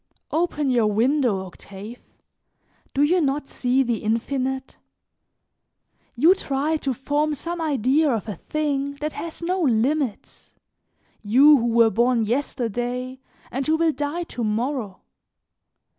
Open your window, Octave; do you not see the infinite? You try to form some idea of a thing that has no limits, you who were born yesterday and who will die to morrow?